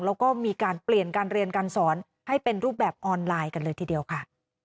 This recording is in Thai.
แล้วก็มีการเปลี่ยนการเรียนการสอนให้เป็นรูปแบบออนไลน์กันเลยทีเดียวค่ะ